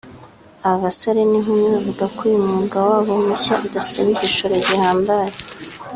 Aba basore n’inkumi bavuga ko uyu mwuga wabo mushya udasaba igishoro gihambaye